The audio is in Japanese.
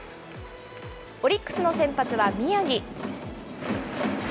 オリックスの先発は宮城。